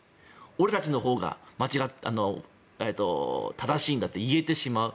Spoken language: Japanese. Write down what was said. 俺たちのほうが正しいんだといえてしまう。